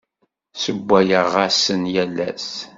Ssewwayeɣ-asen yal ass.